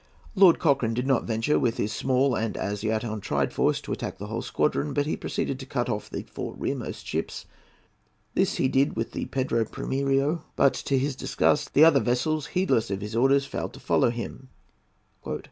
Lord Cochrane did not venture with his small and as yet untried force to attack the whole squadron, but he proceeded to cut off the four rearmost ships. This he did with the Pedro Primiero, but, to his disgust, the other vessels, heedless of his orders, failed to follow him.